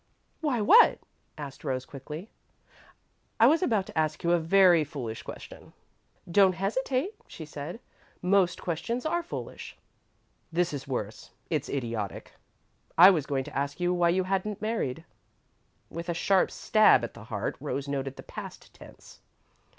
"Why what?" asked Rose, quickly. "I was about to ask you a very foolish question." "Don't hesitate," she said. "Most questions are foolish." "This is worse it's idiotic. I was going to ask you why you hadn't married." With a sharp stab at the heart, Rose noted the past tense.